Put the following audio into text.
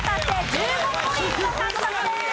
１５ポイント獲得です。